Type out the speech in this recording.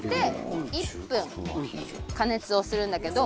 １分加熱をするんだけど。